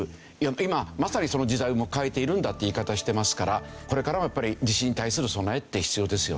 今まさにその時代を迎えているんだって言い方してますからこれからはやっぱり地震に対する備えって必要ですよね。